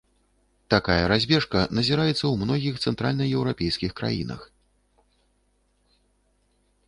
Такая разбежка назіраецца ў многіх цэнтральнаеўрапейскіх краінах.